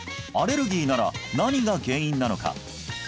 アレルギーなら何が原因なのか？